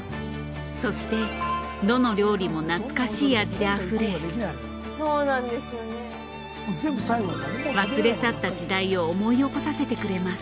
そしてどの料理も懐かしい味であふれ忘れ去った時代を思い起こさせてくれます。